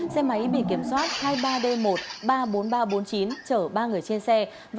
xe máy bị kiểm soát hai mươi ba d một ba mươi bốn nghìn ba trăm bốn mươi chín chở ba người trên xe